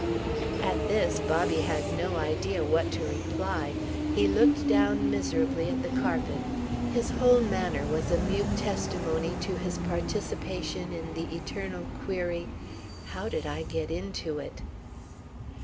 At this Bobby had no idea what to reply. He looked down miserably at the carpet. His whole manner was a mute testimony to his participation in the eternal query: How did I get into it?